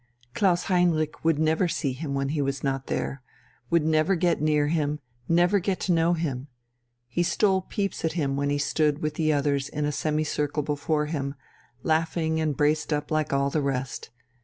Klaus Heinrich would never see him when he was not there, would never get near him, never get to know him. He stole peeps at him when he stood with the others in a semicircle before him, laughing and braced up like all the rest.